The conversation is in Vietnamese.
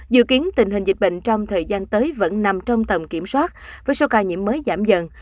dự kiến tình hình dịch bệnh trong thời gian tới vẫn nằm trong tầm kiểm soát với số ca nhiễm mới giảm dần